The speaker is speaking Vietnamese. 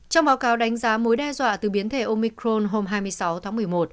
trong báo cáo đánh giá mối đe dọa từ biến thể omicron hôm hai mươi sáu tháng một mươi một